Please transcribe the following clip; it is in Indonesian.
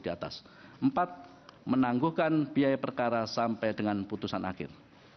empat menangguhkan biaya perkara sampai dengan putusan akhir